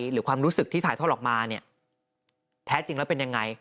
หรือความรู้สึกที่ถ่ายทอดออกมาเนี่ยแท้จริงแล้วเป็นยังไง